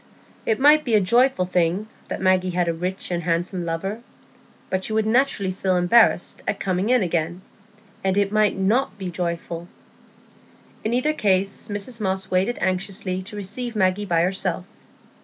It might be a joyful thing that Maggie had a rich and handsome lover, but she would naturally feel embarrassed at coming in again; and it might not be joyful. In either case Mrs Moss waited anxiously to receive Maggie by herself.